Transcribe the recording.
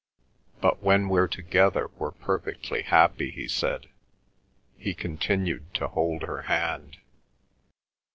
"But when we're together we're perfectly happy," he said. He continued to hold her hand.